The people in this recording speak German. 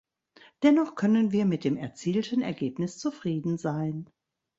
Dennoch können wir mit dem erzielten Ergebnis zufrieden sein.